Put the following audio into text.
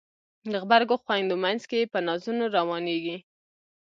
د غبرګو خویندو مینځ کې په نازونو روانیږي